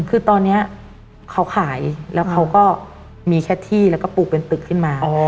คือตอนนี้เขาขายแล้วเขาก็มีแค่ที่แล้วก็ปลูกเป็นตึกขึ้นมา